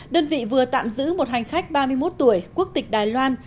đơn vị vừa tạm giữ một hành khách ba mươi một tuổi quốc tịch đài loan